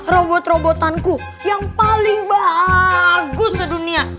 robot robotanku yang paling bagus sedunia